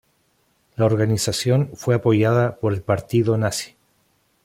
La organización fue apoyada por el Partido Nazi.